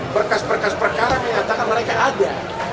berkas berkas perkara menyatakan mereka ada